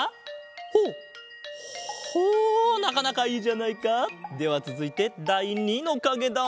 ほうほなかなかいいじゃないか！ではつづいてだい２のかげだ。